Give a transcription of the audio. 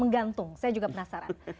gantung saya juga penasaran